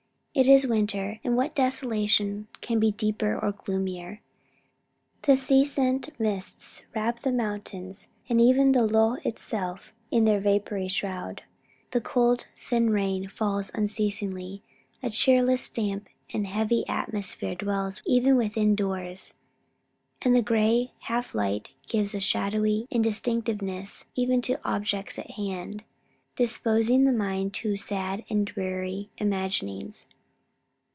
It is winter, and what desolation can be deeper or gloomier! The sea sent mists wrap the mountains and even the lough itself in their vapory shroud. The cold thin rain falls unceasingly; a cheerless, damp, and heavy atmosphere dwells even within doors; and the gray half light gives a shadowy indistinctness even to objects at hand, disposing the mind to sad and dreary imaginings.